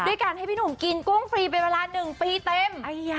การให้พี่หนุ่มกินกุ้งฟรีเป็นเวลา๑ปีเต็ม